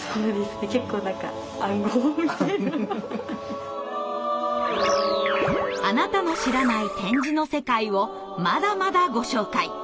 結構何かあなたの知らない点字の世界をまだまだご紹介！